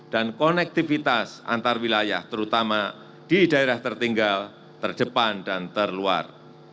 dan konektivitas antarwilayah terutama di daerah tertinggal terdepan dan terluar